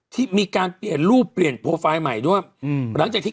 ที่มีการเปลี่ยนรูปเปลี่ยนโปรไฟล์ใหม่ด้วยอืมหลังจากที่